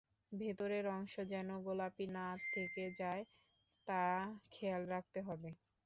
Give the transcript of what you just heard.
ভেতরের অংশ যেন গোলাপি না থেকে যায় তা খেয়াল রাখতে হবে।